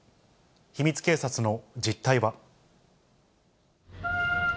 秘密警察の実態は。